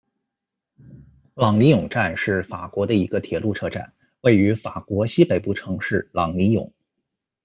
朗尼永站是法国的一个铁路车站，位于法国西北部城市朗尼永。